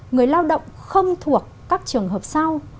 người lao động không thuộc các trường hợp sau